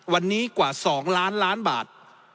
วันนี้กว่า๒ล้านล้านบาท